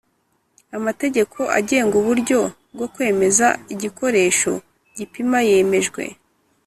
amategeko agenga uburyo bwo kwemeza igikoresho gipima yemejwe